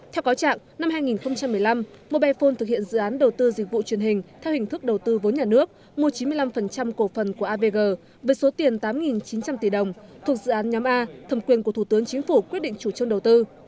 theo cáo trạng năm hai nghìn một mươi năm mobile phone thực hiện dự án đầu tư dịch vụ truyền hình theo hình thức đầu tư vốn nhà nước mua chín mươi năm cổ phần của avg với số tiền tám chín trăm linh tỷ đồng thuộc dự án nhóm a thầm quyền của thủ tướng chính phủ quyết định chủ trương đầu tư